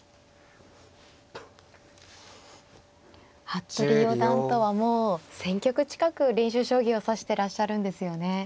服部四段とはもう１，０００局近く練習将棋を指してらっしゃるんですよね。